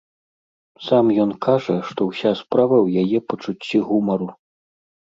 Сам ён кажа, што ўся справа ў яе пачуцці гумару.